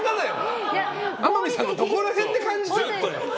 天海さんのどこら辺で感じたんだよ！